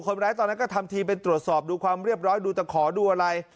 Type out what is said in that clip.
คนร้ายตอนนั้นก็ทำทีเป็นตรวจสอบดูความเรียบร้อยดูตะขอดูอะไร